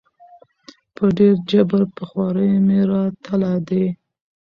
په ډېر جبر په خواریو مي راتله دي